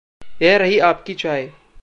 यह रही आपकी चाय।